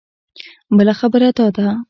بله خبره دا ده.